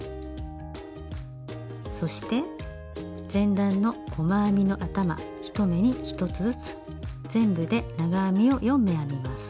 そして前段の細編みの頭１目に１つずつ全部で長編みを４目編みます。